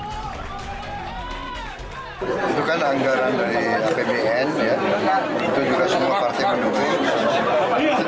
itu kan anggaran dari apbn itu juga semua partai pendukung